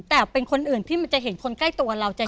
แต่เป็นคนอื่นที่มันจะเห็นคนใกล้ตัวเราจะ